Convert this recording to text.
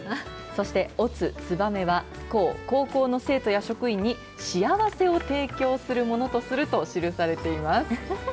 そして乙、ツバメは、甲、高校や生徒、職員に、幸せを提供するものとすると記されています。